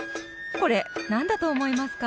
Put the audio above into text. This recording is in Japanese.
これ何だと思いますか？